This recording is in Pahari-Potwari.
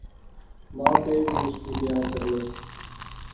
ما پے وی اُس کی پیار کرنے